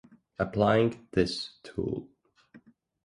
Applying this tool.